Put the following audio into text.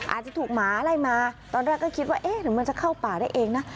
อาจจะถูกหมาไล่มาตอนแรกก็คิดว่าเอ๊ะหรือมันจะเข้าป่าได้เองนะ